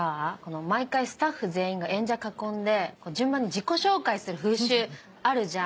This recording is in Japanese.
毎回スタッフ全員が演者囲んで順番に自己紹介する風習あるじゃん。